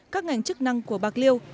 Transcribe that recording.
các ngành chức năng của bạc liêu